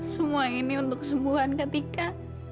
semua ini untuk kesembuhan kak tika